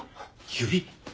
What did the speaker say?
指？